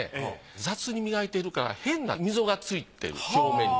雑に磨いているから変な溝がついている表面に。